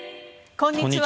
こんにちは。